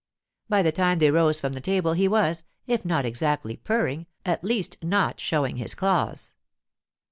By the time they rose from the table he was, if not exactly purring, at least not showing his claws.